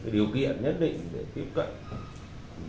điều kiện nhất định để tiếp cận